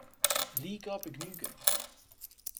Liga begnügen.